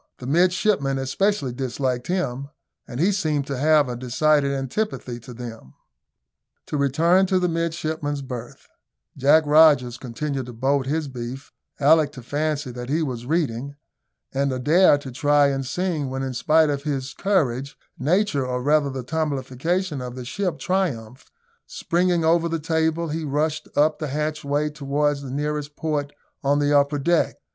The midshipmen especially disliked him, and he seemed to have a decided antipathy to them. To return to the midshipmen's berth: Jack Rogers continued to bolt his beef, Alick to fancy that he was reading, and Adair to try and sing, when, in spite of his courage, nature, or rather the tumblification of the ship, triumphed; springing over the table, he rushed up the hatchway towards the nearest port on the upper deck.